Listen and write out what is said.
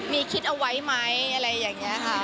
มีคิดเอาไว้ไหมอะไรอย่างนี้ค่ะ